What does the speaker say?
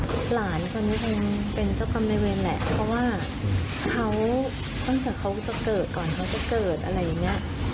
หลานคนนี้คงเป็นเจ้ากรรมในเวรแหละเพราะว่าเขาถ้าเกิดเขาจะเกิดก่อนเขาจะเกิดอะไรอย่างเงี้ย